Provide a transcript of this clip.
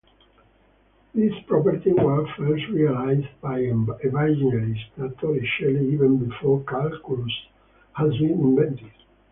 This property was first realized by Evangelista Torricelli even before calculus had been invented.